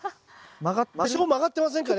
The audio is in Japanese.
多少曲がってませんかね。